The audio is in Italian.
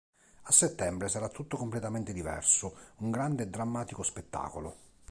A settembre sarà tutto completamente diverso, un grande e drammatico spettacolo.